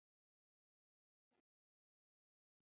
په خړ خوړ کې، د خړ خرهٔ خړه پښه وښیوده.